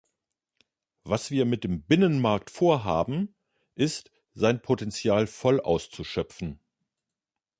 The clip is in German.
Was wir mit dem Binnenmarkt vorhaben, ist, sein Potential voll auszuschöpfen.